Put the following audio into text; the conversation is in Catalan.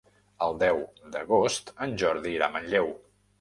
El deu d'agost en Jordi irà a Manlleu.